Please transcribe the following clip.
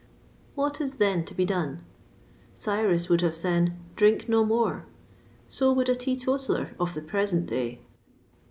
What is then to be done? Cyrus would have said: "Drink no more;" so would a teetotaler of the present day.